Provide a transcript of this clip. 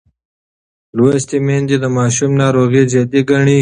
لوستې میندې د ماشوم ناروغي جدي ګڼي.